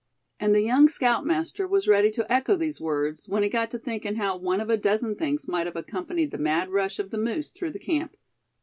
And the young scoutmaster was ready to echo these words, when he got to thinking how one of a dozen things might have accompanied the mad rush of the moose through the camp.